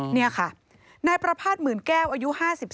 นี่คะนายประพาต๑๐๐๐๐แก้วอายุ๕๒